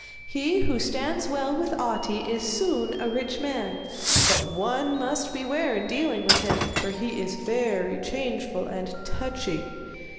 He who stands well with Ahti is soon a rich man, but one must beware in dealing with him, for he is very changeful and touchy.